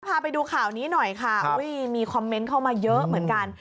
พาไปดูข่าวนี้หน่อยค่ะอุ้ยมีคอมเมนต์เข้ามาเยอะเหมือนกัน